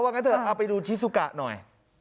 ว่าไงเถอะไปดูชิสุกะหน่อย